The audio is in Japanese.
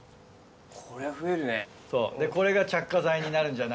こりゃ増えるね。